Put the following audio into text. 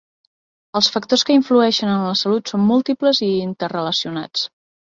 Els factors que influeixen en la salut són múltiples i interrelacionats.